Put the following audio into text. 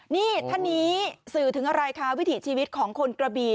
นี่ท่านนี้สื่อถึงอะไรคะวิถีชีวิตของคนกระบี่